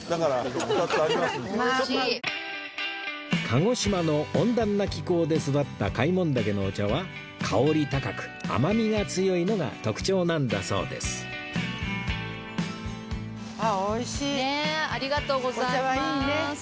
鹿児島の温暖な気候で育った開聞岳のお茶は香り高く甘みが強いのが特徴なんだそうですあっ美味しい。